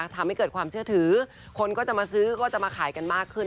ทำให้เกิดความเชื่อถือคนก็จะมาซื้อก็จะมาขายกันมากขึ้น